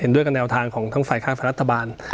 ด้วยกับแนวทางของทั้งฝ่ายข้างฝ่ายรัฐบาล